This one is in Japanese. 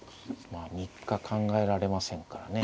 まあ３日考えられませんからね。